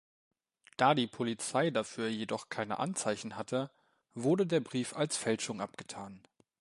Da die Polizei dafür jedoch keine Anzeichen hatte, wurde der Brief als Fälschung abgetan.